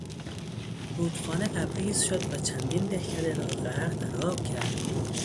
رودخانه لبریز شد و چندین دهکده را غرق در آب کرد.